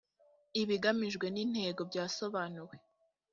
ibigamijwe n intego byasobanuwe